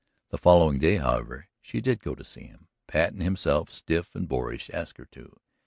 The following day, however, she did go to see him. Patten himself, stiff and boorish, asked her to.